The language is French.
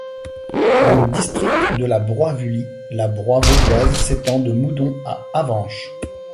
Dans le district de la Broye-Vully la Broye vaudoise s'étend de Moudon à Avenches.